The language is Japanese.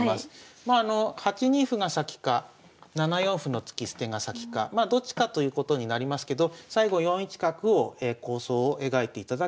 まあ８二歩が先か７四歩の突き捨てが先かまあどっちかということになりますけど最後４一角を構想を描いていただければとがめられると。